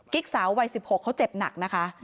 สาววัย๑๖เขาเจ็บหนักนะคะ